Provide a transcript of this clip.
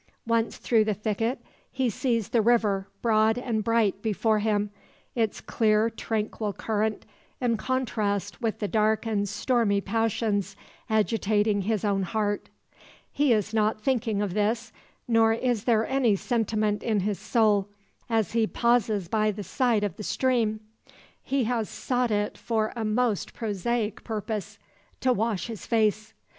Once through the thicket, he sees the river broad and bright before him: its clear tranquil current in contrast with the dark and stormy passions agitating his own heart. He is not thinking of this, nor is there any sentiment in his soul, as he pauses by the side of the stream. He has sought it for a most prosaic purpose to wash his face.